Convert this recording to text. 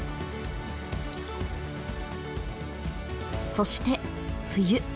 そして冬。